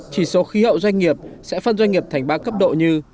chỉ số khí hậu doanh nghiệp sẽ phân doanh nghiệp thành ba cấp độ như